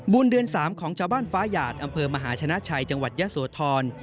เดือน๓ของชาวบ้านฟ้าหยาดอำเภอมหาชนะชัยจังหวัดยะโสธร